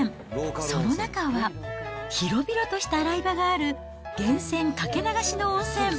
その中は、広々とした洗い場がある、源泉かけ流しの温泉。